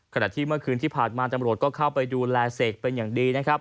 ขณะที่เมื่อคืนที่ผ่านมาตำรวจก็เข้าไปดูแลเสกเป็นอย่างดีนะครับ